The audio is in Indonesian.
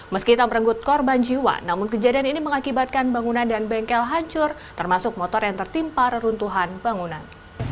meski tak merenggut korban jiwa namun kejadian ini mengakibatkan bangunan dan bengkel hancur termasuk motor yang tertimpa reruntuhan bangunan